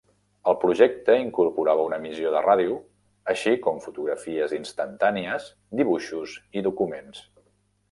El projecte incorporava una emissió de ràdio, així com fotografies instantànies, dibuixos i documents.